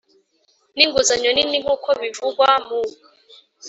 n Inguzanyo nini nk uko bivugwa mu